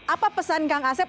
apa pesan kang asep